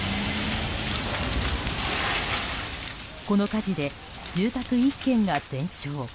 この火事で住宅１軒が全焼。